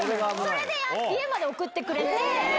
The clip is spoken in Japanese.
それで、家まで送ってくれて。